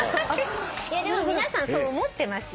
でも皆さんそう思ってます。